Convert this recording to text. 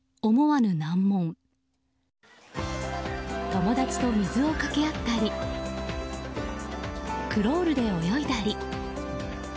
友達と水をかけ合ったりクロールで泳いだり。